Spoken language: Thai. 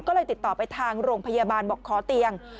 ก็เลยติดต่อไปทางโรงพยาบาลบอกขอเตียง